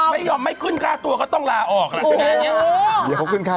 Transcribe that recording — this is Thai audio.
คุณนึกอย่างนี้เออเอาล่ะ